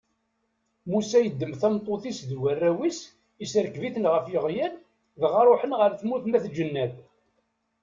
Musa yeddem tameṭṭut-is d warraw-is, isserkeb-iten ɣef yiɣyal, dɣa ṛuḥen ɣer tmurt n At Jennad.